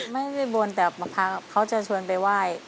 ไม่ไปบนแต่มาภาพเขาจะชวนไปไหว้